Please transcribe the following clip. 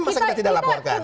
masa kita tidak laporkan